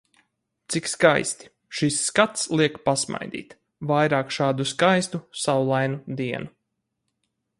Cik skaisti. Šis skats liek pasmaidīt! vairāk šādu skaistu, saulainu dienu.